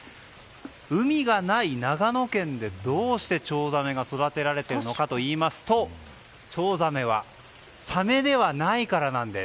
海がない長野県でどうしてチョウザメが育てられているのかといいますとチョウザメはサメではないからなんです。